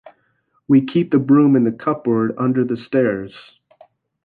We keep the broom in the cupboard under the stairs.